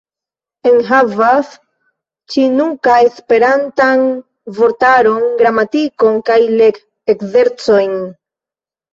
Enhavas ĉinuka-esperantan vortaron, gramatikon kaj leg-ekzercojn.